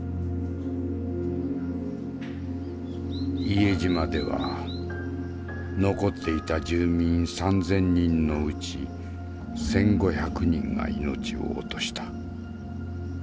伊江島では残っていた住民３，０００人のうち１，５００人が命を落とした。